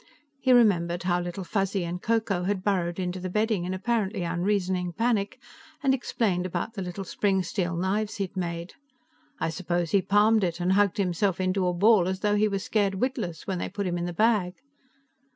He remembered how Little Fuzzy and Ko Ko had burrowed into the bedding in apparently unreasoning panic, and explained about the little spring steel knives he had made. "I suppose he palmed it and hugged himself into a ball, as though he was scared witless, when they put him in the bag."